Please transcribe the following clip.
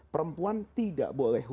perempuan tidak boleh hukum